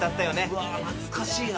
うわ懐かしいな。